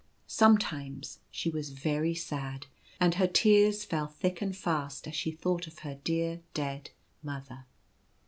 Sometimes she was very sad, and her tears fell thick and fast as she thought of her dear dead mother.